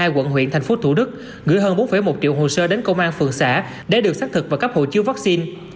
quận huyện tp hcm gửi hơn bốn một triệu hồ sơ đến công an phường xã để được xác thực và cấp hộ chiếu vaccine